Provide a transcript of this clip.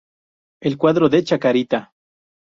El cuadro de Chacarita.